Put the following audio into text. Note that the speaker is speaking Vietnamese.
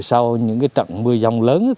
sau những trận mưa dông lớn